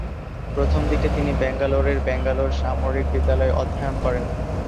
প্রথমদিকে তিনি ব্যাঙ্গালোরের ব্যাঙ্গালোর সামরিক বিদ্যালয়ে অধ্যায়ন করেন।